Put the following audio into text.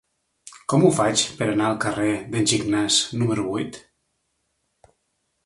Com ho faig per anar al carrer d'en Gignàs número vuit?